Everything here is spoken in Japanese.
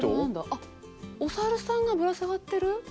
あっお猿さんがぶら下がってる？